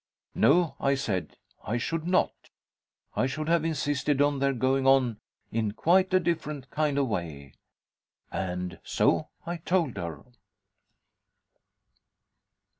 No, I said, I should not. I should have insisted on their going on in quite a different kind of way. And so I told her.